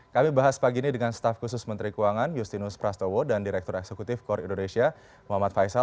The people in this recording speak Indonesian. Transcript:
kami bahas pagi ini dengan staf khusus menteri keuangan justinus prastowo dan direktur eksekutif kor indonesia muhammad faisal